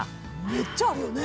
めっちゃあるよね？